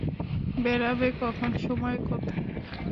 বেড়াবে কখন, সময় কোথায়।